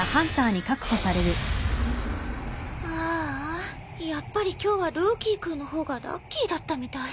ああやっぱり今日はルーキー君の方がラッキーだったみたい。